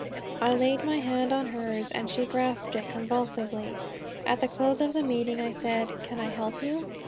I laid my hand on hers, and she grasped it convulsively. At the close of the meeting I said, "Can I help you?"